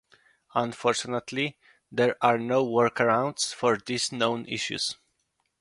Unfortunately, there are no workarounds for these known issues.